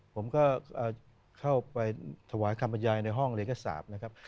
ผมก็เข้าไปถวายคำบัญญาณในห้องเหลศกษาบนะครับ